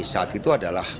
saat itu adalah